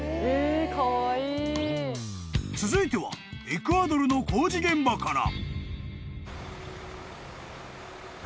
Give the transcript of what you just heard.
［続いてはエクアドルの工事現場から］